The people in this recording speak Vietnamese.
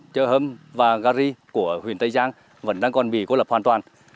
chợ hâm và gari của huyện tây giang vẫn đang còn bị cô lập hoàn toàn